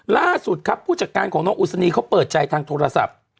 ล่าสุดครับผู้จักรจักรกับนกอุศตนีเขาเปิดใจทางโทรศัพท์